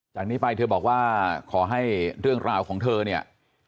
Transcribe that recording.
จากนี้ไปเธอบอกว่าขอให้เรื่องราวของเธอเนี่ย